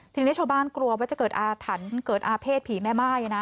ทีนี้ชาวบ้านกลัวว่าจะเกิดอาถรรพ์เกิดอาเภษผีแม่ม่ายนะ